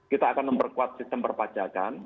kita akan memperkuat sistem perpajakan